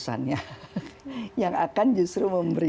saya kira bahwa anak anak akan justru memberikan